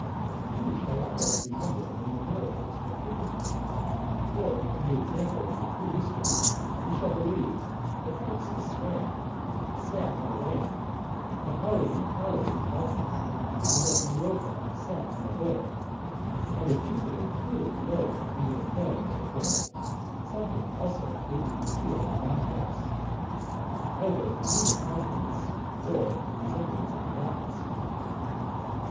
You shall likewise be numbered among the miracles of antiquity. For, from the example of your true history, we shall believe that Fhryxus swam, sitting on a ram, that Arion piloted a dolphin, and that £uropa sat on a bull. And if Jupiter truly lowed under the form of a bull, something also may be concealed in my ass, viz. either a human countenance, or a resemblance of the Gods."